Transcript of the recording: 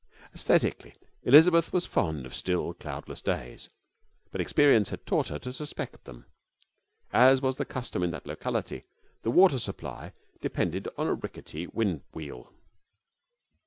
Aesthetically Elizabeth was fond of still, cloudless days, but experience had taught her to suspect them. As was the custom in that locality, the water supply depended on a rickety windwheel.